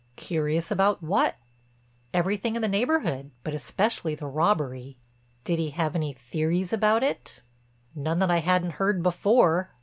"Curious about what?" "Everything in the neighborhood, but especially the robbery." "Did he have any theories about it?" "None that I hadn't heard before."